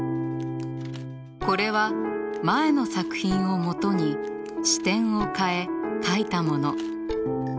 これは前の作品をもとに視点を変え描いたもの。